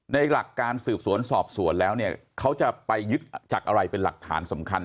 หลักการสืบสวนสอบสวนแล้วเนี่ยเขาจะไปยึดจากอะไรเป็นหลักฐานสำคัญ